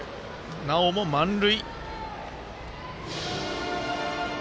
なおも満塁。